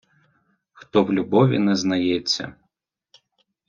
Хто в любові не знається